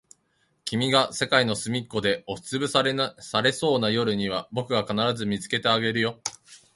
君が世界のすみっこで押しつぶされそうな夜には、僕が必ず見つけてあげるよ。